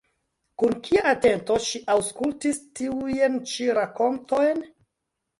Kun kia atento ŝi aŭskultis tiujn ĉi rakontojn!